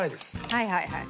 はいはいはい。